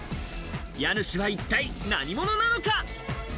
家主は一体何者なのか？